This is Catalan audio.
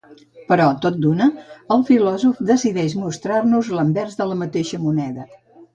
Però, tot d'una, el filòsof decideix mostrar-nos l'anvers de la mateixa moneda.